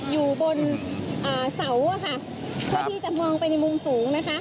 อยู่บนเสาอะค่ะเพื่อที่จะมองไปในมุมสูงนะคะ